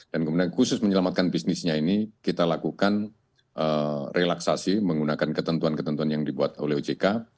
dan kemudian khusus menyelamatkan bisnisnya ini kita lakukan relaksasi menggunakan ketentuan ketentuan yang dibuat oleh ojk